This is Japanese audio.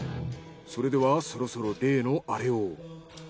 それではそろそろ例のアレを。